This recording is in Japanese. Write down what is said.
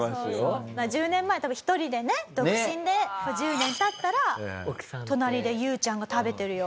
１０年前は多分一人でね独身で１０年経ったら隣で優ちゃんが食べてるよって。